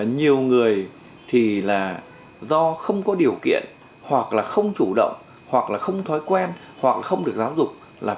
nhiều người thì là do không có điều kiện hoặc là không chủ động hoặc là không thói quen hoặc không được giáo dục